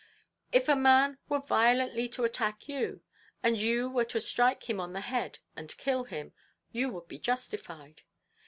If a man were violently to attack you, and you were to strike him on the head and kill him, you would be justified.